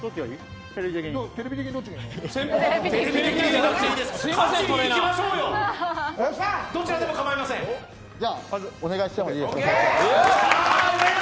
テレビ的にどっちがいいの？